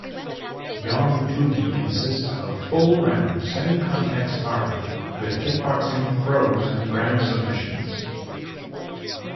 Yongtoogi consist of full round, semi-contact sparring, with kickboxing, throws, and ground submissions.